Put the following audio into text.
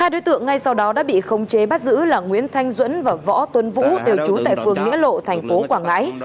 hai đối tượng ngay sau đó đã bị khống chế bắt giữ là nguyễn thanh duẫn và võ tuấn vũ đều trú tại phường nghĩa lộ thành phố quảng ngãi